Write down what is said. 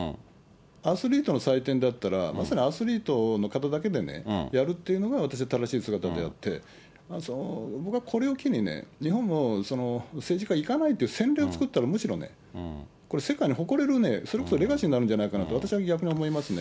アスリートの祭典だったら、まさにアスリートの方だけでやるっていうのが、私は正しい姿であって、僕はこれを機に、日本も政治家行かないっていう先例を作ったら、むしろね、これ、世界に誇れるね、それこそレガシーになるんじゃないかなと私は逆に思いますね。